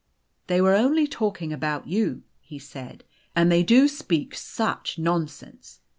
" They were only talking about you," he said. " And they do speak such nonsense